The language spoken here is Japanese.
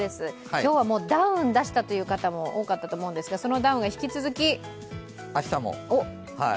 今日はもうダウン出したという方も多かったと思うんですがそのダウンが引き続き明日も。